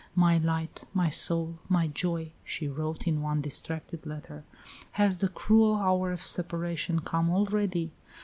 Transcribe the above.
"My light, my soul, my joy," she wrote in one distracted letter, "has the cruel hour of separation come already?